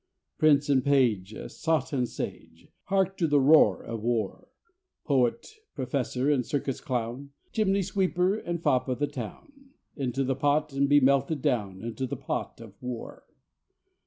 Prince and page, sot and sage, Hark to the roar of War! Poet, professor and circus clown, Chimney sweeper and fop o' the town, Into the pot and be melted down: Into the pot of War!